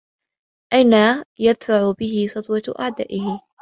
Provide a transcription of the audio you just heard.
أَنْ يَدْفَعَ بِهِ سَطْوَةَ أَعْدَائِهِ